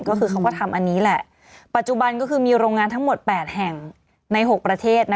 ก็คือเขาก็ทำอันนี้แหละปัจจุบันก็คือมีโรงงานทั้งหมด๘แห่งใน๖ประเทศ